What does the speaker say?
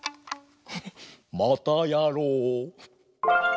またやろう！